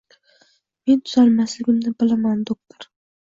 Men tuzalmasligimni bilaman doktor